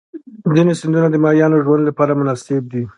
ځینې سیندونه د ماهیانو ژوند لپاره مناسب دي.